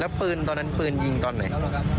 แล้วปืนตอนนั้นปืนยิงตอนไหน